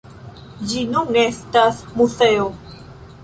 Ĝi nun estas muzeo.